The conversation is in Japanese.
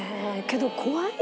けど怖い。